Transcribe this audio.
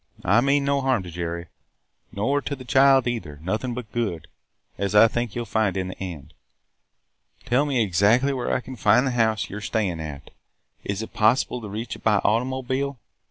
I mean no harm to Jerry – nor to the child either – nothing but good, as I think you 'll find in the end. Tell me exactly where I can find the house you are staying at. Is it possible to reach it by automobile?